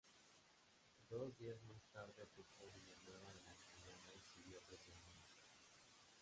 Dos días más tarde ocupó Villanueva de la Cañada y siguió presionando.